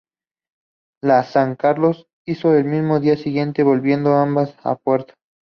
La "San Carlos" hizo lo mismo al día siguiente, volviendo ambas a puerto.